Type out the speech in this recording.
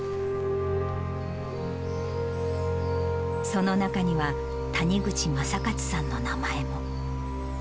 その中には、谷口正勝さんの名前も。